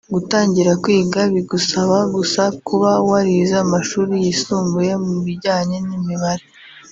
gutangira kwiga bigusaba gusa kuba warize amashuri yisumbuye mu bijyanye n’imibare